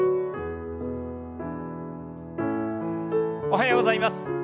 おはようございます。